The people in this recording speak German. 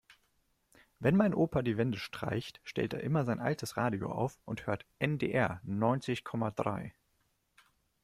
Wenn mein Opa die Wände streicht, stellt er immer sein altes Radio auf und hört NDR neunzig Komma drei.